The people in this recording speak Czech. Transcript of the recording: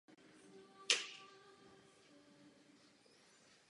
Ústřední kapitola se věnuje původu jazyka.